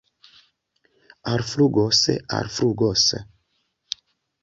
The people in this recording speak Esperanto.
Alflugos, alflugos!